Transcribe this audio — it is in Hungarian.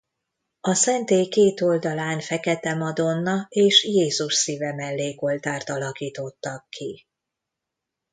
A szentély két oldalán Fekete Madonna- és Jézus Szíve mellékoltárt alakítottak ki.